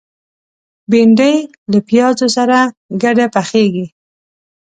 بېنډۍ له پیازو سره ګډه پخېږي